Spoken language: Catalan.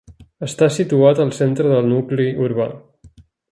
Està situat al centre del nucli urbà.